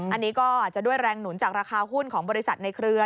อันนี้ก็จะด้วยแรงหนุนจากราคาหุ้นของบริษัทในเครือ